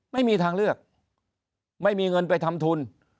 ไม่มีทางเลือกไม่มีเงินไปทำทุน